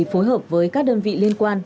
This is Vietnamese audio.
phối hợp với các đơn vị liên quan